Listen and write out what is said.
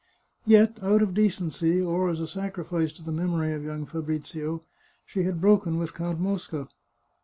Yet, out of decency, or as a sacrifice to the memory of young Fabrizio, she had broken with Count Mosca.